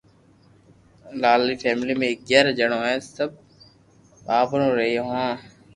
لال ري فيملي مي اگياري جڻو ھي سب بآيرو رھيو ھون